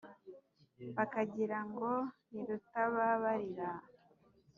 Bakagira ngo ni Rutababarira